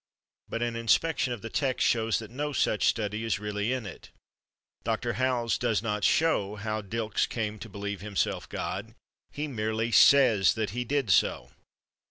But an inspection of the text shows that no such study is really in it. Dr. Howells does not show how Dylks came to believe himself God; he merely says that he did so.